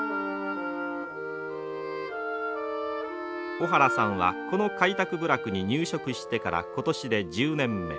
小原さんはこの開拓部落に入植してから今年で１０年目。